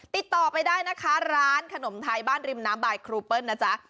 ติดต่อไปได้นะคะร้านขนมไทยบ้านริมน้ำบายครูเปิ้ลนะจ๊ะ